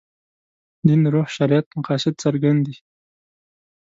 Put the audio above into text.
دین روح شریعت مقاصد څرګند دي.